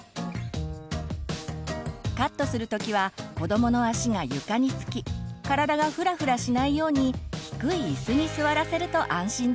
カットする時は子どもの足が床につき体がふらふらしないように低い椅子に座らせると安心です。